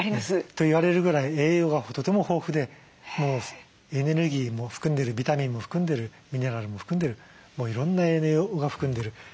と言われるぐらい栄養がとても豊富でエネルギーも含んでるビタミンも含んでるミネラルも含んでるもういろんな栄養が含んでる。